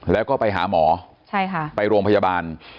แล้วก็ไปหาหมอไปโรงพยาบาล